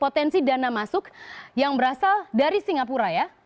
potensi dana masuk yang berasal dari singapura ya